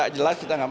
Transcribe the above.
jelas kita gak mau